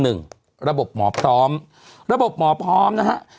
ระบบหมอพร้อมระบบหมอพร้อมนะฮะ